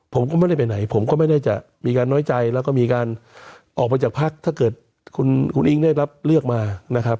ผมก็ไม่ได้ไปไหนผมก็ไม่ได้จะมีการน้อยใจแล้วก็มีการออกมาจากพักถ้าเกิดคุณอิ๊งได้รับเลือกมานะครับ